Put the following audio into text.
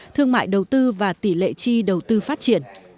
thương mại đầu tư và tỷ lệ chi đầu tư phát triển